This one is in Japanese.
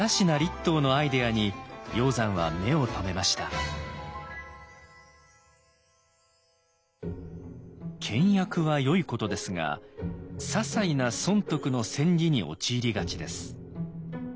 その中の一つ「倹約はよいことですがささいな損得の詮議に陥りがちです」。